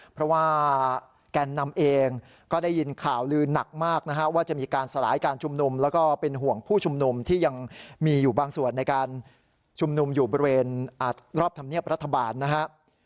เพราะว่าแกนนำเองก็ได้ยินข่าวลือหนักมากนะฮะว่าจะมีการสลายการชุมนุมแล้วก็เป็นห่วงผู้ชุมนุมที่ยังมีอยู่บางส่วนในการชุมนุมอยู่บริเวณรอบธรรมเนียบรัฐบาลนะครับ